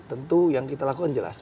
tentu yang kita lakukan jelas